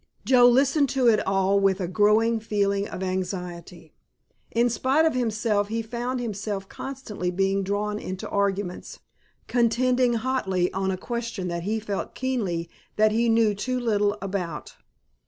Joe listened to it all with a growing feeling of anxiety. In spite of himself he found himself constantly being drawn into arguments, contending hotly on a question that he felt keenly that he knew too little about.